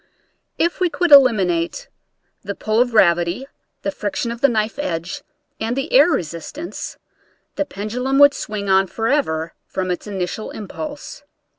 If we could eliminate the pull of gravity, the friction of the knife edge, and the air resistance, the pendulum would swing on forever from its initial impulse.